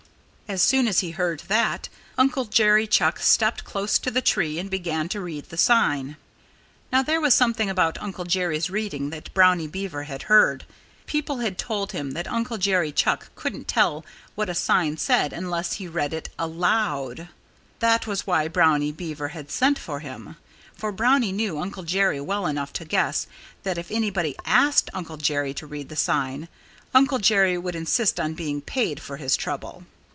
As soon as he heard that, Uncle Jerry Chuck stepped close to the tree and began to read the sign. Now, there was something about Uncle Jerry's reading that Brownie Beaver had heard. People had told him that Uncle Jerry Chuck couldn't tell what a sign said unless he read it aloud. That was why Brownie Beaver had sent for him, for Brownie knew Uncle Jerry well enough to guess that if anybody asked Uncle Jerry to read the sign, Uncle Jerry would insist on being paid for his trouble.